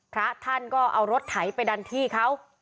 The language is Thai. พระธาตุก็เอารถไถไปดันที่เค้า